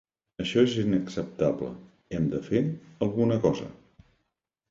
Això és inacceptable; hem de fer alguna cosa!